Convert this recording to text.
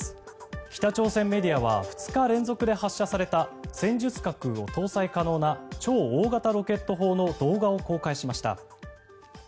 北朝鮮メディアは２日連続で発射された戦術核を搭載可能な超大型ロケット砲の動画を公開しました。